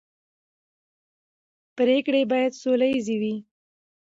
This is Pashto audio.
پرېکړې باید سوله ییزې وي